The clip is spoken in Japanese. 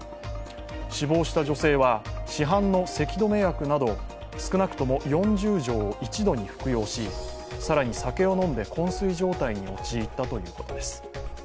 死亡した女性は、市販のせき止め薬など少なくとも４０錠を一度に服用し、更に酒を飲んでこん睡状態に陥ったということです。